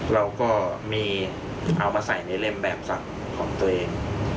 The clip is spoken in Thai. เราก็มีเอามาใส่ในเล่มแบบศักดิ์ของตัวเอง